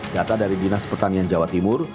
kata dari dinas petanian jawa timur